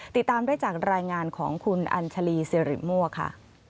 ติดตามได้จากรายงานของคุณอัญชาลีสิริมั่วค่ะ